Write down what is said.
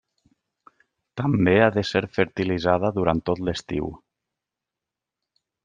També ha de ser fertilitzada durant tot l'estiu.